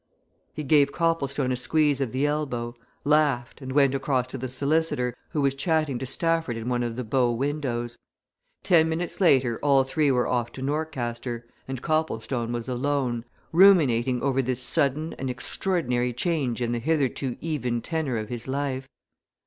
He gave Copplestone a squeeze of the elbow, laughed, and went across to the solicitor, who was chatting to Stafford in one of the bow windows. Ten minutes later all three were off to Norcaster, and Copplestone was alone, ruminating over this sudden and extraordinary change in the hitherto even tenor of his life.